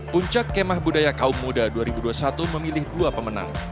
puncak kemah budaya kaum muda dua ribu dua puluh satu memilih dua pemenang